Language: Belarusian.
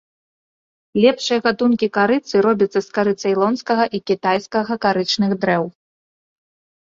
Лепшыя гатункі карыцы робяцца з кары цэйлонскага і кітайскага карычных дрэў.